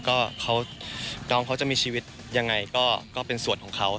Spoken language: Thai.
ก็น้องเขาจะมีชีวิตยังไงก็เป็นส่วนของเขา